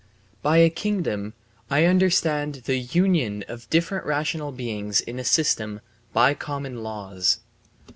By a kingdom I understand the union of different rational beings in a system by common laws.